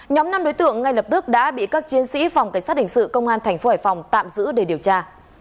nhóm năm đối tượng ngay lập tức đã bị các chiến sĩ phòng cảnh sát hình sự công an tp hải phòng tạm giữ để điều tra